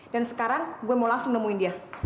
dan sekarang gue mau langsung nemuin dia